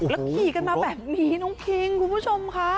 ขี่กันมาแบบนี้น้องคิงคุณผู้ชมค่ะ